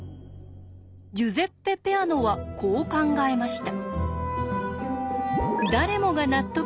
ジュゼッペ・ペアノはこう考えました。